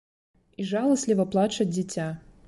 І жаласліва плача дзіця.